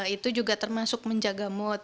itu juga termasuk menjaga mood